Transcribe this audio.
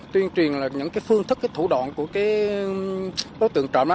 tuyên truyền những phương thức thủ đoạn của bố tượng trộm